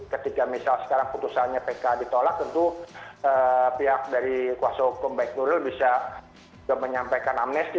ketika misal sekarang putusannya pk ditolak tentu pihak dari kuasa hukum baik nuril bisa menyampaikan amnesti